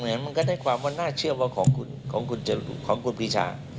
มันก็ได้ความว่าน่าเชื่อว่าของคุณพิชา